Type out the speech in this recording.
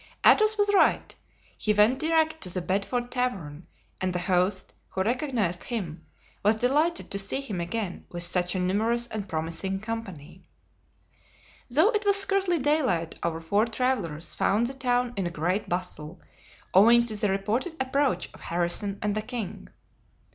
Athos was right. He went direct to the Bedford Tavern, and the host, who recognized him, was delighted to see him again with such a numerous and promising company. Though it was scarcely daylight our four travelers found the town in a great bustle, owing to the reported approach of Harrison and the king.